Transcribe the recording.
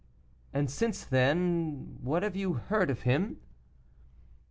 "And since then, what have you heard of him?"